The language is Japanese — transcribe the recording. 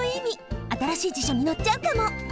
あたらしい辞書にのっちゃうかも！